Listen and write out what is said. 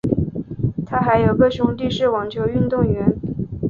她还有个兄弟是网球运动员。